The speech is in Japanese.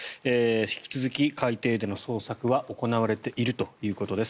引き続き海底での捜索は行われているということです。